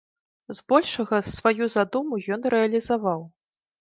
Збольшага сваю задуму ён рэалізаваў.